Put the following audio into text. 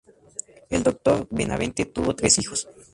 El doctor Benavente tuvo tres hijos.